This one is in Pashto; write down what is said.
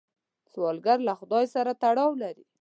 سوالګر له خدای سره تړاو لري